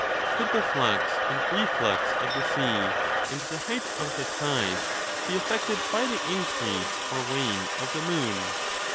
Could the flux and reflux of the sea and the height of the tides be affected by the increase or wane of the moon